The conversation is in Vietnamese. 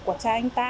của cha anh ta